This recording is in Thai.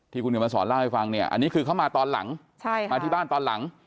ที่คุณเหนียวมาสอนเล่าให้ฟังเนี่ยอันนี้คือเขามาตอนหลัง